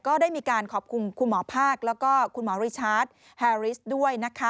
ก็ได้มีการขอบคุณคุณหมอภาคแล้วก็คุณหมอริชาร์จแฮริสด้วยนะคะ